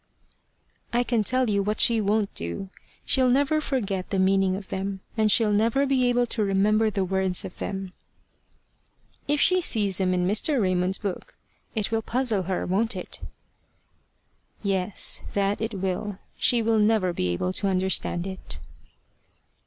"I can tell you what she won't do: she'll never forget the meaning of them; and she'll never be able to remember the words of them." "If she sees them in Mr. Raymond's book, it will puzzle her, won't it?" "Yes, that it will. She will never be able to understand it."